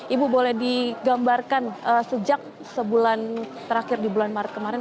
ibu boleh digambarkan sejak sebulan terakhir di bulan maret kemarin